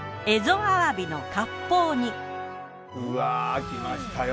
うわぁきましたよ。